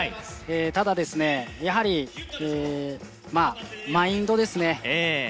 ただですね、やはりマインドですね